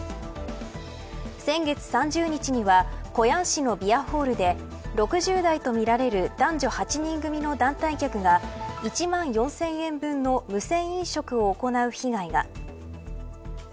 先月３０日には高陽市のビアホールで６０代とみられる男女８人組の団体客が１万４０００円分の無銭飲食を行う被害が。